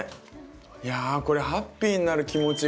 いやこれハッピーになる気持ちが。